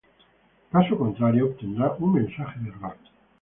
Caso contrario, obtendrá un mensaje de error